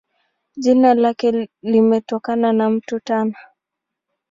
Jina lake limetokana na Mto Tana.